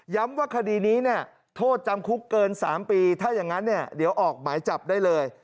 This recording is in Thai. ว่าคดีนี้เนี่ยโทษจำคุกเกิน๓ปีถ้าอย่างนั้นเนี่ยเดี๋ยวออกหมายจับได้เลย